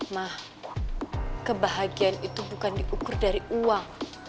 mah kebahagiaan itu bukan diukur dari uang